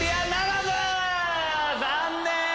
残念！